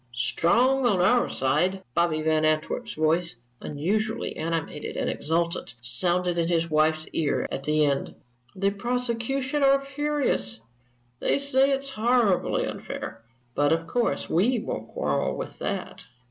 "Strong on our side!" Bobby Van Antwerp's voice, unusually animated and exultant, sounded in his wife's ear at the end. "The prosecution are furious they say it's horribly unfair. But of course, we won't quarrel with that."